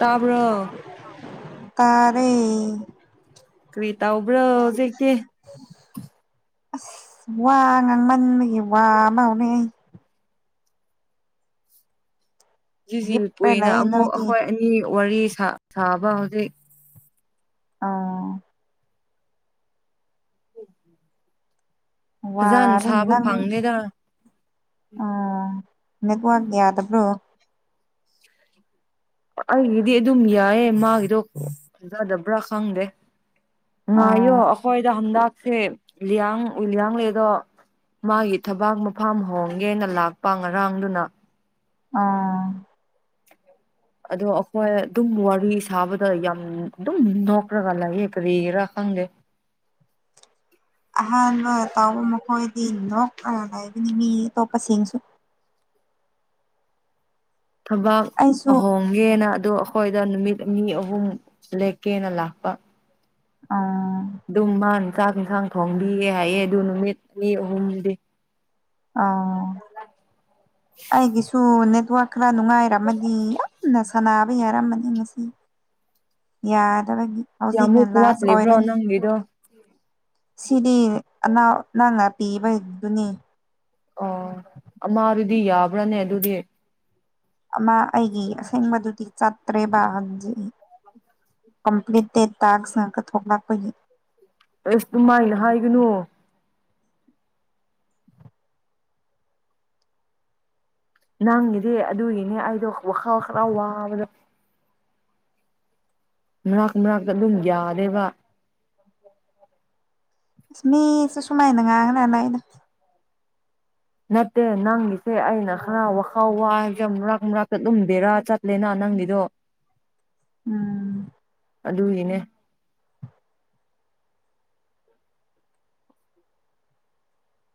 ꯇꯕ ꯇꯥꯔꯦ ꯀ꯭ꯔꯤꯇꯥ ꯑꯣꯕ꯭ꯔꯖꯤꯦꯛꯇ ꯑꯁ ꯋꯥ ꯉꯥꯡꯃꯟꯕꯒꯤ ꯋꯥ ꯉꯥꯎꯅꯦ ꯁꯤꯁꯤ ꯍꯤꯞꯄ꯭ꯔ ꯀꯨꯏꯅ ꯂꯩ ꯑꯃꯨꯛ ꯅꯣꯏꯗꯤ ꯑꯩꯈꯣꯏ ꯑꯅꯤ ꯋꯥꯔꯤ ꯁꯥꯕ ꯍꯧꯖꯤꯛ ꯑꯥ ꯐꯖꯅ ꯋꯥꯔ ꯁꯥꯕ ꯏꯟꯅ ꯐꯪꯗꯦꯗ ꯑꯣ ꯅ ꯋꯥ ꯌꯥꯗꯕ꯭ꯔꯣ ꯑꯩꯒꯤꯗꯤ ꯑꯗꯨꯝ ꯌꯥꯏꯌꯦ ꯃꯥꯒꯤꯗꯣꯖꯗꯕ꯭ꯔꯥ ꯈꯪꯗꯦ ꯉꯥꯏꯌꯣ ꯑꯣ ꯑꯩꯈꯣꯏꯗ ꯍꯟꯗꯛꯁꯦꯌꯥꯡ ꯎꯌꯥꯡ ꯂꯩ ꯑꯗꯣ ꯃꯥꯒꯤ ꯊꯕꯥꯛ ꯃꯐꯝꯥꯝ ꯍꯣꯡꯒꯦꯅ ꯂꯥꯛꯄ ꯉꯔꯥꯡꯗꯨꯅ ꯎꯝ ꯑꯗꯣ ꯑꯩꯈꯣꯏ ꯑꯗꯨꯝ ꯋꯥꯔꯤ ꯁꯥꯕꯗ ꯌꯥꯝ ꯑꯗꯨꯝ ꯅꯣꯛꯈ꯭ꯔꯒ ꯂꯩꯌꯦ ꯀꯔꯤꯔꯥ ꯈꯪꯗꯦ ꯑꯍꯥꯟꯕ ꯇꯥꯎꯕ ꯃꯈꯣꯏꯗꯤ ꯅꯣꯛ ꯂꯩꯒꯅꯤ ꯃꯤ ꯑꯇꯣꯞꯄꯁꯤꯡꯁꯨ ꯊꯕꯛ ꯑꯩꯁꯨ ꯑꯍꯣꯡ ꯈꯪꯒꯦꯅ ꯑꯗꯣ ꯑꯩꯈꯣꯏꯗ ꯅꯨꯃꯤꯠ ꯑꯅꯤ ꯑꯍꯨꯝ ꯂꯦꯛꯀꯦꯅ ꯂꯥꯛꯄ ꯑ ꯑꯗꯨꯝ ꯃꯥꯅ ꯆꯥꯛ ꯏꯟꯁꯥꯡ ꯊꯣꯡꯕꯤꯌꯦ ꯍꯥꯏꯌꯦ ꯑꯗꯨ ꯅꯨꯃꯤꯠ ꯑꯅꯤ ꯑꯍꯨꯝꯗꯤ ꯑꯥ ꯑꯩꯒꯤꯁꯨ ꯅꯦꯠꯋꯥꯛ ꯈꯔ ꯅꯨꯡꯉꯥꯏꯔꯝꯃꯗꯤ ꯌꯥꯝꯅ ꯁꯥꯟꯅꯕ ꯌꯥꯔꯝꯃꯅꯤ ꯉꯁꯤ ꯌꯥꯗꯕꯒꯤ ꯍꯧꯖꯤꯛꯅ ꯀꯌꯥꯃꯨꯛ ꯂꯥꯁ ꯋꯥꯠꯂꯤꯕ꯭ꯔꯣ ꯑꯣꯏꯔꯅꯤ ꯅꯪꯒꯤꯗꯣ ꯁꯤꯗꯤ ꯑꯅꯥꯎ ꯅꯪꯅꯄꯤꯕꯗꯨꯅꯤ ꯑꯣ ꯃꯥ ꯑꯗꯨꯗꯤ ꯌꯥꯕ꯭ꯔꯥꯅꯦ ꯑꯗꯨꯗꯤ ꯑꯃ ꯑꯩꯒꯤ ꯑꯁꯦꯡꯕꯗꯨꯗꯤ ꯆꯠ ꯇꯦꯕꯥꯟ ꯀꯝꯄꯂꯤꯠ ꯗ ꯇꯁ ꯊꯣꯛꯂꯥꯛꯄ ꯑꯁ ꯅꯨꯡꯃꯥꯏꯅ ꯍꯥꯏꯒꯅꯨ ꯅꯪꯒꯤꯗꯤ ꯑꯗꯨꯒꯤꯅꯦ ꯑꯩꯗꯣ ꯋꯥꯈꯜ ꯋꯥꯈꯜꯂ ꯋꯥꯕꯗꯣ ꯃꯔꯛ ꯃꯛꯇ ꯑꯗꯨꯝ ꯌꯥꯔꯦꯕ ꯑꯁ ꯃꯤꯁꯨ ꯁꯨꯃꯥꯏꯅ ꯉꯥꯡꯅꯅ ꯑꯏꯩꯅ ꯅꯦꯠꯇꯦ ꯅꯪꯒꯤꯁꯦ ꯑꯩꯅ ꯈꯔ ꯋꯥꯈꯥꯎ ꯋꯥ ꯌꯥꯝ ꯃꯔꯨꯔꯥꯛ ꯃꯔꯨꯔꯥꯛꯛꯇ ꯂꯨꯝꯗꯦꯔꯥ ꯆꯠꯂꯦꯅ ꯅꯪꯒꯤꯗꯣ ꯎꯝ ꯑꯗꯨꯒꯤꯅꯦ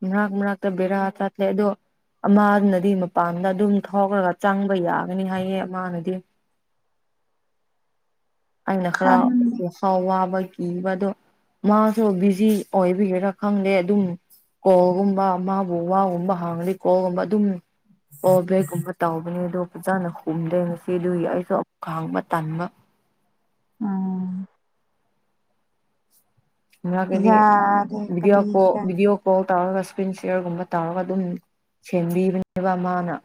ꯃꯅꯥꯛ ꯃꯅꯥ ꯇ ꯕꯔ ꯍꯥꯏꯂ ꯑꯗꯨꯗꯣ ꯑꯃꯅꯗꯤ ꯃꯄꯥꯟꯗ ꯑꯗꯨꯝ ꯊꯥꯎꯈ꯭ꯔꯒ ꯆꯪꯕ ꯌꯥꯒꯅꯤ ꯍꯥꯏꯌꯦ ꯑꯃꯅꯗꯤ ꯑꯩꯅ ꯈꯔ ꯈꯪꯉꯦ ꯋꯥꯈꯥꯎ ꯋꯥꯕ ꯀꯤꯕꯗꯣ ꯃꯥꯁꯨ ꯕꯤꯖꯤ ꯑꯣꯏꯕꯤꯒꯦꯔꯥ ꯈꯪꯗꯦ ꯑꯗꯨꯝ ꯀꯣꯜꯒꯨꯝꯕ ꯃꯥꯕꯨ ꯋꯥꯒꯨꯝꯕ ꯍꯥꯡꯅꯤ ꯀꯣꯜꯒꯨꯝꯕ ꯑꯗꯨꯝ ꯑꯣ ꯕꯦꯛꯒꯨꯝꯕ ꯇꯥꯎꯕꯅꯦ ꯑꯗꯣ ꯐꯖꯥꯅ ꯍꯨꯝꯗ꯭ꯔꯦ ꯉꯁꯤ ꯑꯗꯨꯒꯤ ꯑꯩꯁꯨ ꯑꯃ ꯈꯥꯡꯕ ꯇꯟꯕ ꯎꯝ ꯃꯥ ꯀꯗꯤ ꯌꯥꯗꯦ ꯕꯤꯗꯤꯑꯣ ꯀꯔꯤꯒꯤꯔ ꯀꯣꯕꯤꯗꯤꯑꯣ ꯐꯨꯠꯕꯣꯜ ꯇꯧꯔꯒ ꯏꯁꯀ꯭ꯔꯤꯟ ꯆꯦꯌꯔꯒꯨꯝꯕ ꯇꯧꯔꯒ ꯑꯗꯨꯝ ꯁꯦꯝꯕꯤꯕꯅꯦꯕ ꯃꯥꯅ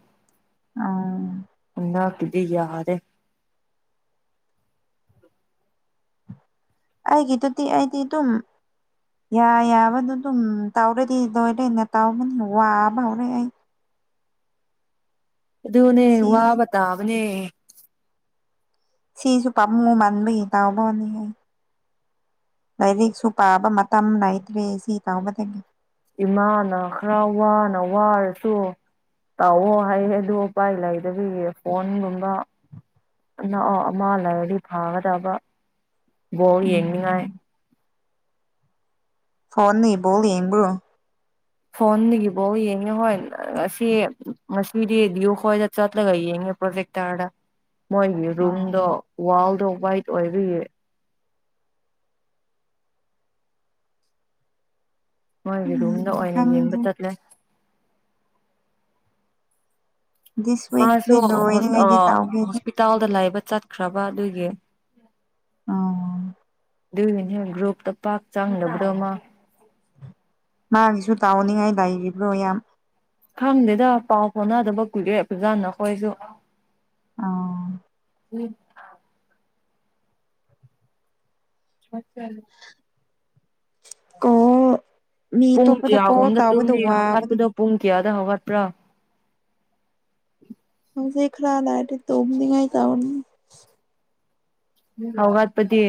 ꯑ ꯎ ꯀꯗꯤ ꯌꯥꯔꯦ ꯑꯩꯒꯤꯇꯤ ꯑꯩꯗꯤ ꯇ ꯌꯥ ꯌꯥꯕꯗꯨ ꯑꯗꯨꯝ ꯇꯧꯔꯗꯤ ꯂꯣꯏꯔꯅꯦ ꯇꯥꯎꯕꯅꯤꯅ ꯋꯥꯕ ꯍꯧꯔꯦ ꯑꯩ ꯑꯗꯨ ꯑꯗꯨꯅꯦ ꯁꯤꯁꯦ ꯋꯥꯕ ꯇꯕꯅꯦ ꯁꯤꯁꯨ ꯄꯥꯝꯃꯨꯡꯉ ꯃꯥꯟꯕꯒꯤ ꯇꯎꯕꯅꯤ ꯍꯥꯏ ꯂꯥꯏꯔꯤꯛꯁꯨ ꯄꯥꯕ ꯃꯇꯝ ꯅꯥꯏꯇ꯭ꯔꯦ ꯁꯤ ꯇꯥꯎꯒꯗꯗꯒꯤ ꯏꯃꯥꯅ ꯈꯔ ꯋꯥꯅ ꯋꯥꯔꯁꯨ ꯇꯥꯛꯑꯣ ꯍꯥꯏꯌꯦ ꯑꯗꯨ ꯎꯄꯥꯏ ꯂꯩꯗꯕꯤꯒꯤ ꯐꯣꯟꯒꯨꯝꯕ ꯅꯛꯑꯣ ꯑꯃ ꯂꯩꯔꯗꯤ ꯐꯒꯗꯕ ꯕꯣꯔ ꯎꯝ ꯌꯦꯡꯅꯤꯡꯉꯥꯏ ꯐꯣꯟ ꯏꯕꯣ ꯌꯦꯡꯕ꯭ꯔꯣ ꯐꯣꯟꯗꯒꯤꯐꯥꯎ ꯌꯦꯡꯉꯦ ꯍꯣꯏ ꯉꯁꯤ ꯉ ꯔꯦꯗꯤꯑꯣ ꯈꯣꯏꯗ ꯆꯠꯂꯒ ꯌꯦꯡꯉꯦ ꯄ꯭ꯔꯣꯖꯦꯛꯇꯔꯗ ꯃꯣꯏꯒꯤ ꯑꯥꯎ ꯔꯨꯝꯗꯣ ꯋꯥꯜꯗꯣ ꯋꯥꯏꯠ ꯑꯣꯏꯕꯒꯤ ꯃꯣꯏꯒꯤ ꯔꯨꯝꯗ ꯎꯝ ꯑꯣꯏꯅ ꯌꯦꯡꯕ ꯈꯪꯗ꯭ꯔꯦ ꯆꯠꯂꯦ ꯗꯤꯁ ꯋꯤꯛꯇꯤ ꯃꯥꯁꯨ ꯂꯣꯏꯅꯤꯉꯥꯏꯗꯤ ꯇꯧꯒꯦ ꯑꯗꯨ ꯍꯣꯁꯄꯤꯇꯥꯜꯗ ꯂꯩꯕ ꯆꯠꯈ꯭ꯔꯕ ꯑꯗꯨꯒꯤ ꯑꯣ ꯑꯗꯨꯏꯒꯤꯅꯦ ꯒ꯭ꯔꯨꯞꯇ ꯄꯥꯛ ꯆꯥꯡꯅꯕꯗꯧꯃ ꯃꯥꯒꯤꯁꯨ ꯇꯥꯎꯅꯤꯡꯉꯥꯏ ꯂꯩꯔꯤꯕ꯭ꯔꯣ ꯌꯥꯝ ꯈꯪꯗꯦꯗ ꯄꯥꯎ ꯐꯥꯎꯅꯗꯕ ꯀꯨꯏꯔꯣꯛꯦ ꯐꯖꯥ ꯅꯈꯣꯏꯁꯨ ꯑ ꯎꯝ ꯃꯁꯦ ꯀꯣꯜ ꯃꯤ ꯄꯨꯡ ꯑꯇꯣꯞꯄꯗ ꯀꯣꯜ ꯀꯌꯥꯒꯣꯝꯗ ꯇꯧꯕꯗꯣ ꯇꯨꯝꯂ ꯋꯥꯕꯗꯣ ꯍꯧꯒꯠꯄꯗꯣ ꯄꯨꯡ ꯀꯌꯥꯗ ꯍꯧꯒꯠꯄ꯭ꯔꯥ ꯍꯧꯁ ꯈꯔꯥ ꯂꯗꯤ ꯇꯨꯝ ꯇ ꯍꯒꯠꯄꯇ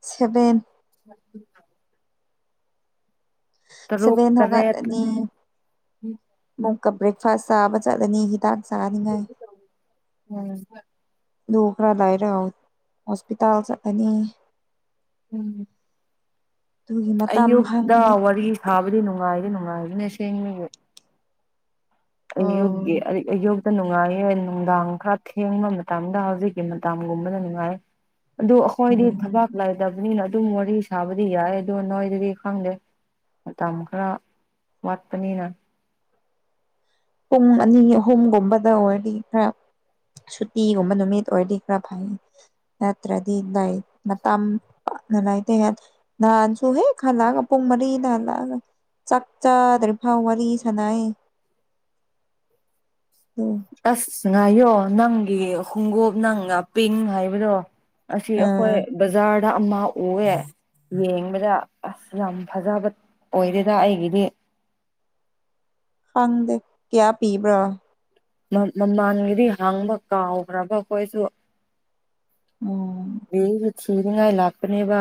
ꯁꯚꯦꯟ ꯍ ꯇꯔꯨꯛ ꯁꯕꯦꯟ ꯇꯔꯦꯠ ꯅꯧꯒꯅꯤ ꯅꯨꯛꯀ ꯕ꯭ꯔꯦꯛꯐꯥꯁ ꯆꯥꯕ ꯆꯥꯗꯅꯤ ꯍꯤꯗꯥꯛ ꯆꯥꯅꯤꯉꯥꯏ ꯎꯝ ꯂꯙꯒ꯭ꯔꯥ ꯂꯥꯏꯔ ꯍꯁꯄꯤꯇꯥꯜꯁ ꯑꯅꯤ ꯎꯝ ꯑꯗꯨꯒꯤ ꯃꯇꯝ ꯑꯌꯨꯛꯇ ꯐꯪꯗꯦ ꯋꯥꯔꯤ ꯁꯥꯕꯗꯤ ꯅꯨꯡꯉꯥꯏꯗꯤ ꯅꯨꯡꯉꯥꯏꯒꯤꯅꯦ ꯁꯦꯡꯅꯤ ꯑꯗꯨ ꯑꯣ ꯌꯒꯦ ꯑ ꯑꯌꯨꯛꯇ ꯅꯨꯡꯉꯥꯏꯌꯦ ꯅꯨꯡꯗꯥꯡ ꯈꯔ ꯊꯦꯡꯕ ꯃꯇꯝꯗ ꯍꯧꯖꯤꯛꯀꯤ ꯃꯇꯝꯒꯨꯝꯕꯗ ꯅꯨꯡꯉꯥꯏ [inaudible] ꯑꯗꯨ ꯑꯩꯈꯣꯏꯗꯤ ꯎꯝ ꯊꯕꯥꯛ ꯂꯩꯗꯕꯅꯤꯅ ꯑꯗꯨꯝ ꯋꯥꯔꯤ ꯁꯥꯕꯗꯤ ꯌꯥꯏ ꯑꯗꯣ ꯅꯣꯏꯗꯗꯤ ꯈꯪꯗꯦ ꯃꯇꯝ ꯈꯔ ꯋꯥꯠꯄꯅꯤꯅ꯫ ꯄꯨꯡ ꯑꯅꯤ ꯑꯍꯨꯝꯒꯨꯝꯕꯗ ꯑꯣꯏꯔꯗꯤ ꯈꯔ꯫ ꯁꯨꯇꯤꯒꯨꯝꯕ ꯅꯨꯃꯤꯠ ꯑꯣꯏꯔꯗꯤ ꯈ꯭ꯔ ꯐꯩꯌꯦ꯫ ꯅꯠꯇ꯭ꯔꯥꯗꯤ ꯅꯩ ꯃꯇꯝ ꯅꯂꯩꯗ꯭ꯔꯥ ꯌꯥꯗꯦ꯫ ꯅꯍꯥꯟꯁꯨ ꯍꯦꯛ ꯈꯜꯂꯑꯒ ꯄꯨꯡ ꯃꯔꯤꯗ ꯍꯜꯂꯛꯑꯒ ꯆꯥꯛ ꯆꯥꯗ꯭ꯔꯤꯐꯥꯎ ꯋꯥꯔꯤ ꯁꯥꯟꯅꯩ ꯎꯝ ꯑꯁ ꯉꯥꯏꯌꯣ ꯅꯪꯒꯤ ꯈꯣꯡꯎꯣꯞ ꯅꯪꯅ ꯄꯤꯡ ꯍꯥꯏꯕꯗꯣ ꯑꯁꯤ ꯑ ꯑꯩꯈꯣꯏ ꯕꯖꯥꯔꯗ ꯑꯃ ꯎꯌꯦ꯫ ꯌꯦꯡꯕꯗ ꯑꯁ ꯌꯥꯝ ꯐꯖꯕ ꯑꯣꯏꯗꯦꯗ ꯑꯩꯒꯤꯗꯤ꯫ ꯈꯪꯗꯦ ꯀꯌꯥ ꯄꯤꯕ꯭ꯔꯥ? ꯃꯃꯥꯟꯒꯤꯗꯤ ꯍꯪꯕ ꯀꯥꯎꯈ꯭ꯔꯕ ꯑꯩꯈꯣꯏꯁꯨ꯫ ꯎꯝ ꯁꯨ [unintelligible] ꯊꯤꯅꯤꯡꯉꯥꯏ ꯂꯥꯛꯄꯅꯦꯕ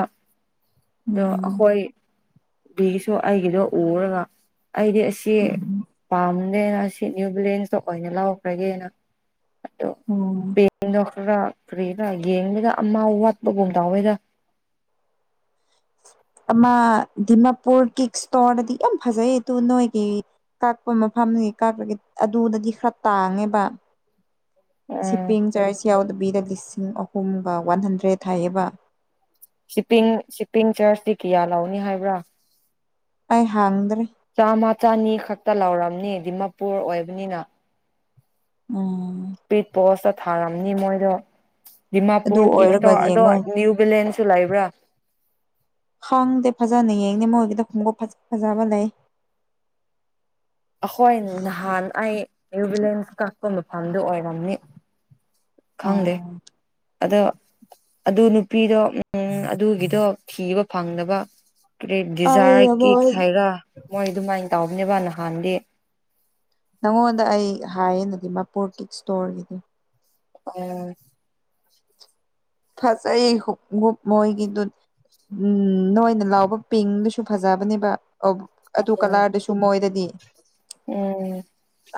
ꯑꯗꯣ ꯎꯝ ꯑꯩꯈꯣꯏ ꯕꯤꯁꯨ ꯑꯩꯒꯤꯗꯣ ꯎꯔꯒ ꯑꯩꯗꯤ ꯑꯁꯤ ꯄꯥꯝꯗꯦꯅ ꯑꯁꯤ ꯁꯤ [unintelligible] ꯅꯌꯨ ꯕ꯭ꯔꯦꯟꯖꯇ ꯑꯣꯏꯅ ꯂꯧꯈ꯭ꯔꯒꯦꯅ ꯑꯗꯣ ꯎꯝ ꯀꯔꯤꯅꫭ ꯈꯔ ꯀꯔꯤꯔꯥ ꯌꯦꯡꯕꯗ ꯑꯃꯥ ꯋꯥꯠꯄꯒꯨꯝ ꯇꯎꯋꯦꯗ ꯑꯃ ꯗꯤꯃꯥꯄꯨꯔ ꯀꯤꯛ ꯏꯁꯇꯣꯔꯅꯗꯤ ꯌꯥꯝ ꯐꯖꯩ ꯇꯨ ꯅꯣꯏꯒꯤ ꯀꯛꯄ ꯃꯐꯝꯗꯒꯤ ꯀꯥꯄꯒꯤ ꯑꯗꯨꯗꯗꯤ ꯈꯔ ꯇꯥꯡꯉꯦꯕ ꯎꯝ ꯄꯤꯡ ꯆꯔꯁ ꯌꯥꯎꯗꯕꯤꯗ ꯂꯤꯁꯤꯡ ꯑꯍꯨꯝꯒ ꯋꯥꯟ ꯍꯟꯗ꯭ꯔꯦꯗ ꯍꯥꯏꯌꯦꯕ ꯁꯤꯞꯄꯤꯡ ꯁꯤꯞꯄꯤꯡ ꯆꯔꯆꯇꯤ ꯀꯌꯥ ꯂꯥꯛꯎꯅꯤ ꯍꯥꯏꯕ꯭ꯔꯥ ꯑꯩ ꯍꯪꯗ꯭ꯔꯔꯤ [unintelligible] ꯆꯥꯝꯃ ꯆꯅꯤ ꯈꯛꯇ ꯂꯧꯔꯝꯅꯤ ꯗꯤꯃꯥꯄ꯭ꯔꯨ ꯑꯣꯏꯕꯅꯤꯅ꯫ ꯎꯝ ꯄꯤꯠ ꯄꯣꯁꯇ ꯊꯥꯔꯝꯅꯤ ꯃꯣꯏꯗꯣ ꯑꯗꯨ ꯗꯤꯃꯥꯄꯨꯔ ꯀꯤꯛꯇꯣ ꯑꯣꯏꯔꯒ ꯑꯗꯣ ꯌꯦꯡꯉꯣ ꯅ꯭ꯌꯨ ꯕꯤꯂꯦꯟꯁ ꯇꯨ ꯂꯩꯕ꯭ꯔꯥ? ꯈꯪꯗꯦ ꯐꯖꯅ ꯌꯦꯡꯗ‌ꯦ ꯃꯣꯏꯒꯤꯗꫭ ꯈꯣꯡꯎꯞ ꯐꯖ ꯐꯖꯕ ꯂꯩ꯫ ꯑꯈꯣꯏ ꯅꯍꯥꯟ ꯑꯩ ꯅ꯭ꯌꯨꯕꯤꯂꯦꯟꯁ ꯀꯛꯄ ꯃꯐꯝꯗꯨ ꯑꯣꯏꯔꯝꯅꯤ꯫ ꯈꯪꯗꯦ ꯑꯗꫭ ꯑꯗꯨ ꯅꯨꯄꯤꯗꯣ ꯎꯝ__ ꯑꯗꯨꯒꯤꯗꯣ ꯊꯤꯕ ꯐꯪꯗꯕ꯫ ꯀ꯭ꯔꯤꯛ ꯗꯤꯖꯥꯏꯔ ꯑꯩꯅ ꯃꯣꯏ ꯀꯤꯛꯁ ꯍꯥꯏꯔ ꯃꯣꯏ ꯑꯗꯨꯃꯥꯏꯅ ꯇꯧꯕꯅꯦꯕ ꯅꯍꯥꯟꯗꯤ꯫ ꯅꯪꯉꯣꯟꯗ ꯑꯩ ꯍꯥꯏꯌꯦꯅꯗꯤ ꯃꯄꯨꯔ ꯀꯤꯛ ꯏꯁꯇꯣꯔꯒꯤꯗꯣ꯫ ꯑ [unintelligible] ꯐꯖꯥꯥꯏꯌꯦ ꯈꯨꯎꯞ ꯃꯣꯏꯒꯤꯗꯨ ꯎꯝ ꯅꯣꯏꯅ ꯂꯥꯎꯕ ꯄꯤꯡꯗꯨꯁꯨ ꯐꯖꯕꯅꯦꯕ ꯑꯣ ꯑꯗꯨ ꯎꯝ ꯀꯂꯔꯗꯨꯁꯨ ꯃꯣꯏꯗꯗꯤ꯫ ꯎꯝ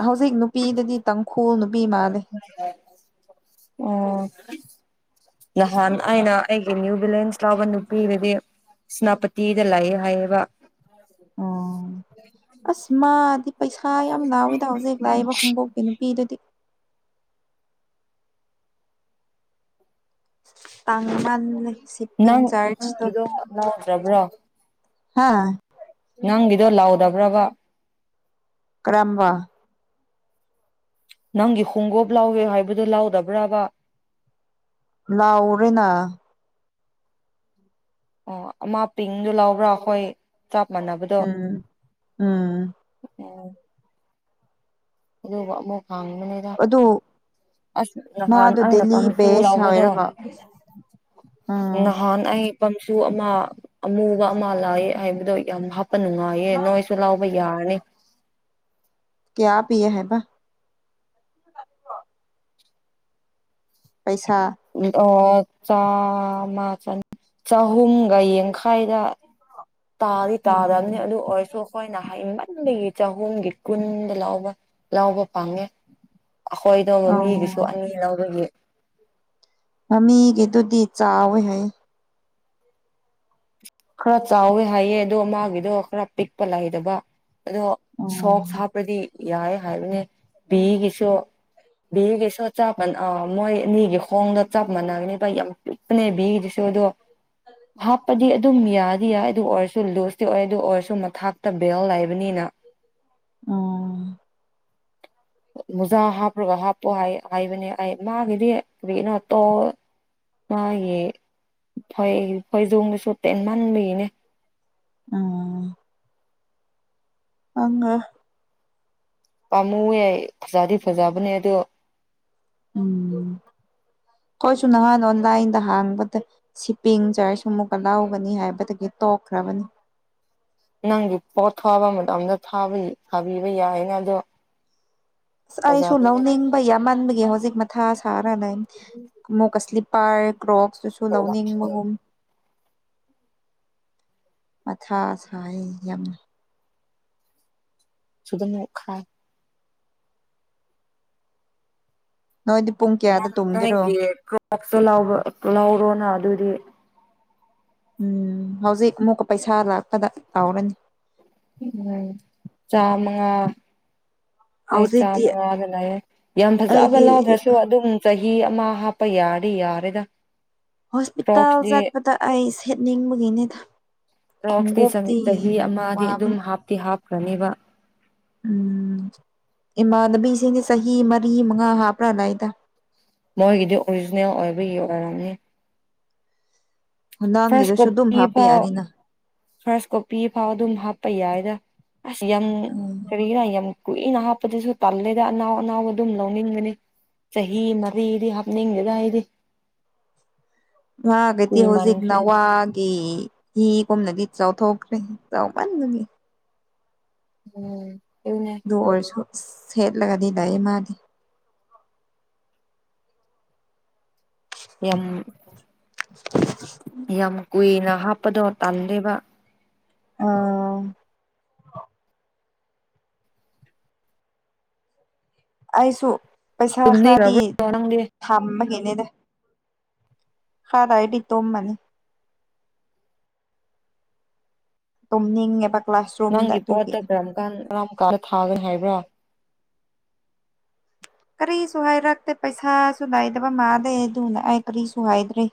ꯍꯧꯖꯤꯛ ꯅꯨꯄꯤꯗꯨꯗꯤ ꯇꯥꯡꯈꯨꯜ ꯅꯨꯄꯤ ꯃꯥꯜꯂꯦ꯫ ꯑꯣ ꯅꯍꯥꯟ ꯑꯩꯅ ꯑꯩꯒꯤ ꯅ꯭ꯌꯨ ꯕꯤꯂꯦꯟꯁ ꯂꯥꯎꯕ ꯅꯨꯄꯤꯗꯨꯗꯤ ꯁ꯭ꯅꯥꯄꯇꯤꯗ ꯂꯩꯌꯦ ꯍꯥꯏꯌꯦꯕ ꯑꯣ___ ꯑꯁ! ꯃꯥꯗꯤ ꯄꯩꯁꯥ ꯌꯥꯝ ꯂꯥꯎꯑꫭꯏꯗ ꯍꯧꯖꯤꯛ ꯂꯥꯛꯏꯕ ꯈꯣꯡꯎꯞ ꯅꯨꯄꯤꯗꯨꯗꯤ ꯇꯥꯡꯃꯥꯟꯂꯦ ꯁꯤꯞꯄꯤꯡ ꯅꯪ ꯆ꯭ꯔꯥꯖꯇꯣ ꯅꯪꯒꯤꯗꯣ ꯂꯥꯎꯗ꯭ꯔꯕ꯭ꯔꯣ ꯍꯥꯥ___ ꯅꯪꯒꯤꯗꯣ ꯂꯧꯎꯔꯕ꯭ꯔꫭꯕ? ꯀꯔꯝꯕ? ꯅꯪꯒꯤ ꯈꯣꯡꯒꫭꯞ ꯂꯥꯎꯋꯦ ꯍꯥꯏꯕꯗꯣ ꯂꯥꯎꯗꯕ꯭ꯔꯥꯕ? ꯂꯥꯎꯔꯦꯅ ꯑꯣ ꯑꯃ ꯄꯤꯡꯗꯨ ꯂꯧꯕ꯭ꯔꯥ ꯑꯩꯈꯣꯏ___ ꯆꯥꯞꯃꯥꯟꯅꯕ ꯎꯝ ꯎꯝ ꯎꯝ ꯑꯗꯨꯒ ꯑꯃꯨ ꯈꯥꯡꯕꯅꯦ ꯑꯗꯨ ꯑꯁ ꯅꯍꯥꯟ ꯃꯥꯗꯣ ꯑꯩꯅ ꯗꯦꯂꯤ ꯄꯝ ꯁꯨ ꯕꯦꯁ ꯂꯥꯎꯕꯗꯣ ꯑꯣꯏꯔꯒ ꯎꯝ ꯅꯍꯥꯟ ꯑꯩ ꯄꯝꯁꯨ ꯑꯃ ꯑꯃꯨꯕ ꯑꯃ ꯂꯥꯛꯑ ꯍꯥꯏꯕꯗꯣ ꯌꯥꯝ ꯍꯥꯞꯄ ꯅꯨꯡꯉꯥꯏꯌꯦ ꯅꯣꯏꯁꯨ ꯂꯥꯎꯕ ꯌꯥ ꯌꯥꯅꯦ ꯀꯌꯥ ꯄꯤꯌꯦ ꯍꯥꯏꯕ ꯄꯩꯁꯥ ꯑꯣ ꯆꯥꯃ ꯆꯅꯤ ꯆꯍꯨꯝꯒ ꯌꯥꯡꯈꯥꯏꯗ ꯇꯥꯗꯤ ꯇꯥꯗꯝꯅꯤ ꯑꯗꯨ ꯑꯣꯏꯁꯨ꯫ ꯈꯣꯏꯅ ꯍꯥꯏꯃꯟꯕꯒꯤ ꯆꯍꯨꯝꯒꯤ ꯀꯨꯟꯗ ꯂꯧꯕ ꯂꯧꯕ ꯄꯪꯉꯦ꯫ ꯑꯈꯣꯏꯗꯣ ꯃꯤꯒꯤꯁꯨ ꯑꯣ ꯑꯅꯤ ꯂꯧꯕꯒꯤ꯫ ꯃꯃꯤꯒꯤꯗꯨꯗꯤ ꯆꯥꯎꯋꯦ ꯍꯥꯏꯌꯦ꯫ ꯈꯔ ꯆꯥꯎꯋꯦ ꯍꯥꯏꯌꯦ ꯑꯗꯣ ꯃꯥꯒꯤꯗꯣ ꯈꯔ ꯄꯤꯛꯄ ꯂꯩꯗꯕ꯫ ꯑꯗꯣ ꯎꯝ ꯁꯣꯛꯁ ꯍꯥꯞꯄꯗꯤ ꯌꯥꯏꯌꯦ ꯍꯥꯏꯕꯅꯦ ꯕꯤꯒꯤꯁꯨ꯫ ꯕꯤꯒꯤꯁꯨ ꯆꯞ ꯑ ꯃꯣꯏ ꯅꯤꯒꯤ ꯈꯣꯡꯗ ꯆꯞ ꯃꯥꯟꯅꯕꯅꯤꯕ ꯌꯥꯝ ꯄꯤꯛꯄꯅꯦ ꯕꯤꯒꯤꯗꯨꯁꯨ ꯑꯗꯣ ꯍꯥꯞ ꯄꯗꯤ ꯑꯗꯨꯝ ꯌꯥꯗꯤ ꯌꯥꯏ ꯑꯗꯨ ꯑꯣꯏꯔꯁꯨ ꯂꯨꯖꯇꯤ ꯑꯣꯏ ꯑꯗꯨ ꯑꯣꯏꯔꯁꯨ ꯃꯊꯥꯛꯇ ꯕꯦꯜ ꯂꯩꯕꯅꯤꯅ꯫ ꯑ ꯃꯨꯖꯥ ꯍꯥꯞꯄ꯭ꯔꯒ ꯍꯥꯞꯄꯣ ꯍꯥꯢꯌꯦ ꯍꯥꯏꯕꯅꯦ ꯑꯩ ꯃꯥꯒꯤꯗꯤ ꯀꯔꯤꯒꯤꯅꯣ ꯇꯣ ꯃꯥꯒꯤ ꯍꯣꯏ ꯈꯣꯏꯖꯣꯝꯗꯨꯁꯨ ꯇꯦꯟꯃꯟꯕꯒꯤꯅꯦ ꯎꯝ ꯑ [unintelligible] ꯄꯥꯃꯨ ꯌꯥꯏ ꯐꯖꯗꯤ ꯐꯖꯕꯅꯦ ꯑꯗꯣ ꯎꯝ ꯈꯣꯏꯁꯨ ꯅꯍꯥꯟ ꯑꯣꯟꯂꯥꯏꯟꯗ ꯍꯥꯡꯕꯗꯦ ꯁꯤꯄꯤꯡ ꯆꯥꯔꯁ ꯑꯃꯨꯛꯀ ꯂꯧꯒꯅꯤ ꯍꯥꯏꯕꯗꯒꯤ ꯇꯣꯛꯈ꯭ꯔꯕꯅꯤ ꯅꯪꯒꯤ ꯄꯣꯠ ꯊꯥꯕ ꯃꯇꯝꯗ ꯊꯥꯕ ꯊꯥꯕꯤꯕ ꯌꯥꯏꯅ ꯑꯗꯣ ꯑꯩꯁꯨ ꯐꯖꯕꯅꯦ ꯂꯧꯅꯤꯡꯕ ꯌꯥꯝꯃꯟꯕꯒꯤ ꯍꯧꯖꯤꯛ ꯃꯊꯥ ꯁꯥꯔꯅ ꯑꯃꯀ ꯁ꯭ꯂꯤꯞ ꯄꯥꯔꯛ ꯔꯣꯛꯁꯇꯨꯁꯨ ꯂꯧꯅꯤꯡꯕꯒꯨꯝ ꯃꯊꯥ ꯁꯥꯏꯌꯦ ꯌꯥꯝ [unintelligible] ꯎ ꯈꯥꯏ ꯅꯣꯏꯗꯤ ꯄꯨꯡ ꯀꯌꯥꯗ ꯇꯨꯝꯒꯦꯔꯣ ꯅꯪꯅꯣꯢꯒꯤ ꯀ꯭ꯔꯣꯛꯇꯨ ꯂꯧꯔꯣ ꯂꯧꯔꯣꯅ ꯑꯗꯨꯗꯤ ꯎꯝ ꯍꯧꯖꯤꯛ ꯑꯃꯨꯛꯀ ꯄꯩꯁꯥ ꯂꯥꯛꯄꯗ ꯇꯧꯔꯅꯤ ꯎꯝ ꯆꯥꯃꯉꯥ ꯑꯩ ꯍꯧꯖꯤꯛꯇꯤ ꯆꯥꯃꯉꯥꯗ ꯂꯩꯌꯦ ꯌꯥꯝ ꯐꯖꯕ ꯑꯩꯒꯤ ꯂꯥꯎꯗ꯭ꯔꯁꯨ ꯑꯗꯨꯝ ꯆꯍꯤ ꯑꯃ ꯍꯥꯞꯄ ꯌꯥꯔꯗꯤ ꯌꯥꯔꯦꯗ ꯍꯣꯁꯄꯤꯇꯥꯜ ꯀ꯭ꯔꯣꯛꯁꯇꯤ ꯆꯠꯄꯗ ꯑꯩ ꯁꯦꯠꯅꯤꯡꯕꯒꯤꯅꯤꯗ ꯀ꯭ꯔꯣꯛꯁꯇꯤ ꯁꯃꯤ ꯈꯣꯡꯎꯞꯇꯤ ꯆꯍꯤ ꯑꯃꯗꯤ ꯋꯥꯕ ꯑꯗꯨꯝ ꯍꯥꯞꯇꯤ ꯍꯥꯞꯈ꯭ꯔꯅꯤꯕ ꯎꯝ ꯏꯃꯥꯟꯅꯕꯤꯁꯤꯡꯗꯤ ꯆꯍꯤ ꯃꯔꯤ ꯃꯉꯥ ꯍꯥꯞꯄ꯭ꯔꯥ ꯂꯩꯗ ꯃꯣꯏꯒꯤꯗꯤ ꯑꯣꯔꯤꯖꯤꯅꯦꯜ ꯑꯣꯏꯕꯒꯤ ꯑꯣꯏꯔꯝꯅꯤ ꯐꯥꯔꯁ ꯍꯗꯥꯥꯡꯒꯤꯗꯨꯁꯨ ꯑꯗꯨꯝ ꯀꯣꯄꯤ ꯍꯥꯞꯄ ꯐꯥꯎ ꯌꯥꯅꯤꯅ ꯐꯥꯔꯁ ꯀꯣꯄꯤ ꯐꯥꯎ ꯑꯗꯨꯝ ꯍꯥꯞꯄ ꯌꯥꯏꯗ ꯑꯁ ꯌꯥꯝ ꯎꯝ ꯀꯔꯤꯔꯥ ꯌꯥꯝ ꯀꯨꯏꯅ ꯍꯥꯞꯄꯗꯁꯨ ꯇꯜꯂꯦꯗ ꯑꯅꯥꯎ ꯑꯅꯥꯎꯕ ꯑꯗꯨꯝ ꯂꯧꯅꯤꯡꯕꯅꯤ ꯆꯍꯤ ꯃꯔꯤꯗꯤ ꯍꯥꯞꯅꯤꯡꯉꯦꯗ ꯑꯩꯗꯤ ꯃꯒꯗꯤ ꯍꯧꯖꯤꯛ ꯀꯨꯏꯃꯟꯈ꯭ꯔꯦ ꯅꯋꯥꯟ ꯀꯤ ꯍꯤꯒꯨꯝꯅꯗꯤ ꯆꯥꯎꯊꯣꯛꯈ꯭ꯔꯦ ꯆꯥꯎꯃꯟꯕꯅꯤ ꯎꯝ ꯎ ꯑꯗꯨ ꯑꯣꯏꯔꯁꯨ ꯁꯦꯠꯂꯒꯗꯤ ꯂꯩ ꯃꯥꯗꯤ ꯌꯥꯝ ꯌꯥꯝ ꯀꯨꯏꯅ ꯍꯥꯞꯄꯗꯣ ꯇꯜꯂꯦꯕ ꯑꯥ ꯑꯩꯁꯨ ꯄꯩꯁꯥ ꯈꯔꯗꯤ ꯇꯨꯝꯅꯤꯡꯈ꯭ꯔꯕ꯭ꯔꯣ ꯅꯪꯗꯤ ꯊꯝꯕꯒꯤꯦꯅꯦꯗ ꯍ ꯔꯥꯏꯗꯤ ꯇꯣꯃꯅꯤ ꯇꯝ ꯑꯦꯕ ꯅꯪꯒꯤ ꯄꯣꯠꯇ ꯀꯔꯝ ꯀꯥꯟ ꯑꯔꯥꯡꯝ ꯀꯥꯟꯗ ꯊꯥꯒꯅꯤ ꯍꯥꯏꯕ꯭ꯔꯣ ꯀꯔꯤꯁꯨ ꯍꯥꯏꯔꯛꯇꯦ ꯄꯩꯁꯥꯁꯨ ꯅꯥꯏꯗꯕ ꯃꯥꯗꯦ ꯑꯗꯨꯅ ꯑꯩ ꯀꯔꯤꯁꯨ ꯍꯥꯏꯗ꯭ꯔꯔꯤ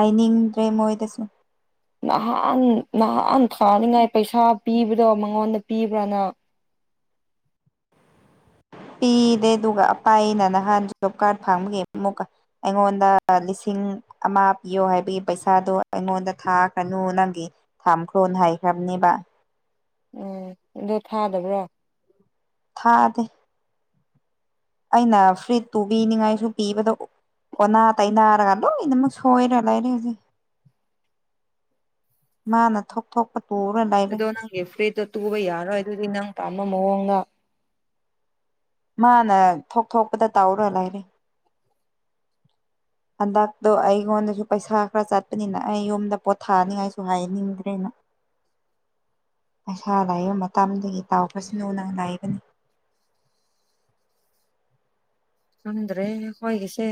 ꯍꯥꯏꯅꯤꯡꯗ꯭ꯔꯦ ꯃꯣꯏꯗꯁꯨ ꯅꯍꯥꯟ ꯅꯍꯥꯟ ꯊꯥꯅꯤꯉꯥꯏ ꯄꯩꯁꯥ ꯄꯤꯕꯗꯣ ꯃꯉꯣꯟꯗ ꯄꯤꯕ꯭ꯔꯥꯅ ꯄꯤꯗꯦ ꯑꯗꯨꯒ ꯑꯄꯥ ꯑꯅ ꯅꯍꯥꯟ ꯖꯣꯕ ꯀꯥꯔꯠ ꯐꯥꯡꯕꯒꯤ ꯑꯃꯨꯛꯀ ꯑꯩꯉꯣꯟꯗ ꯂꯤꯁꯤꯡ ꯑꯃ ꯄꯤꯌꯣ ꯍꯥꯏꯕꯒꯤ ꯄꯩꯁꯥꯗꯣ ꯑꯩꯉꯣꯟꯗ ꯊꯥꯈ꯭ꯔꯅꯨ ꯅꯪꯒꯤ ꯊꯝꯈ꯭ꯔꯣ ꯍ ꯍꯥꯏꯈ꯭ꯔꯥꯕꯅꯦꯕ ꯎꯝ ꯑꯗꯣ ꯊꯥꯗꯕ꯭ꯔꯣ ꯊꯥꯗꯦ ꯑꯩꯅ ꯐ꯭ꯔꯤꯖꯇꯨ ꯄꯤꯅꯤꯡꯉꯥꯏꯁꯨ ꯄꯤꯕꯗ ꯑꯣꯅꯥ ꯇꯥꯏꯅꯔꯒꯂꯣ ꯏ ꯃꯛ ꯁꯣꯏꯔ ꯂꯥꯏꯔꯦ ꯍꯧꯖꯤꯦ ꯃꯥꯅ ꯊꯣꯛ ꯊ ꯊꯣꯛꯄ ꯇꯔꯦ ꯂꯥꯏꯔꯦ ꯒ ꯐ꯭ꯔꯤ ꯇ ꯇꯨꯕ ꯌꯥꯔꯣꯏ ꯑꯗꯨꯗꯤ ꯅꯪ ꯄꯥꯝꯕ ꯃꯑꯣꯡꯗ ꯃꯥꯅ ꯊꯣꯛ ꯊꯣꯛꯄꯗ ꯇꯧꯔ ꯂꯩꯔꯦ ꯍꯟꯗꯛꯇꯣ ꯑꯩꯉꯣꯟꯗꯁꯨ ꯄꯩꯁꯥ ꯈꯔ ꯆꯠꯄꯅꯤꯅ ꯑꯩ ꯌꯨꯝꯗ ꯄꯣꯠ ꯊꯥꯅꯤꯡꯉꯥꯏꯁꯨ ꯍꯥꯏꯅꯤꯡꯗ꯭ꯔꯦꯅ ꯄꯩꯁꯥ ꯂꯥꯛꯏꯕ ꯃꯇꯝꯗꯒꯤ ꯇꯥꯎꯄꯁꯤꯅꯨ ꯅꯪ ꯂꯥꯛꯏꯕꯅꯤ ꯅꯗ꯭ꯔꯦ ꯍꯒꯁꯦ